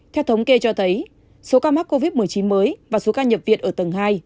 theo thống kê cho thấy số ca mắc covid một mươi chín mới và số ca nhập viện ở tầng hai